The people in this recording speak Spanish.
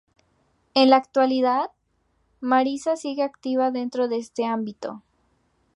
En la actualidad, Marisa sigue activa dentro de este ámbito.